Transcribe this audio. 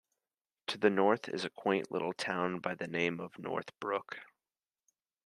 To the north is a quaint little town by the name of Northbrook.